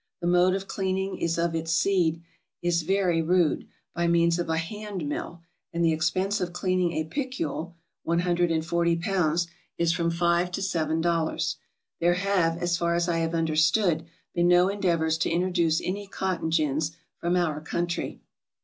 The mode of cleaning it of its seed is very rude, by means of a hand mill, and the expense of cleaning a picul (one hundred and forty pounds) is from five to seven dollars. There have, as far as I have understood, been no endeavors to introduce any cotton gins from our country.